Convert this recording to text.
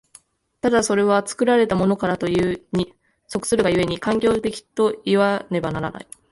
ただそれは作られたものからというに即するが故に、環境的といわねばならない。